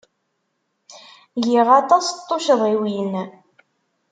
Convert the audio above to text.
Giɣ aṭas n tuccḍiwin.